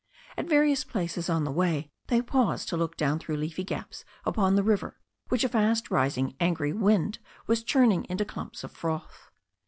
At various places on the way they paused to look down through leafy gaps upon the river, which a fast rising, angry wind was churning into clumps of froth.